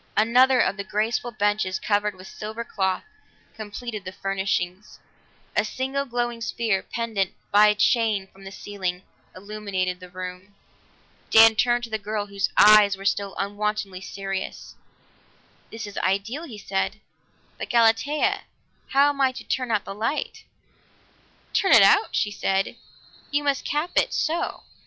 Another of the graceful benches covered with the silver cloth completed the furnishings; a single glowing sphere, pendant by a chain from the ceiling, illuminated the room. Dan turned to the girl, whose eyes were still unwontedly serious. "This is ideal," he said, "but, Galatea, how am I to turn out the light?" "Turn it out?" she said. "You must cap it so!"